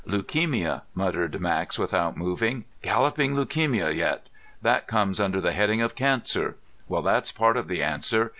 "Leukemia," muttered Max without moving. "Galloping leukemia yet! That comes under the heading of cancer. Well, that's part of the answer.